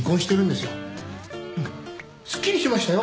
すっきりしましたよ。